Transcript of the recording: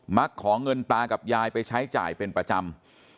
ักขอเงินตากับยายไปใช้จ่ายเป็นประจำ